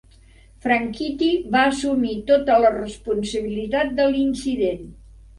Franchitti va assumir tota la responsabilitat de l'incident.